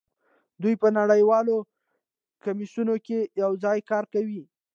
دوی په نړیوالو کمیسیونونو کې یوځای کار کوي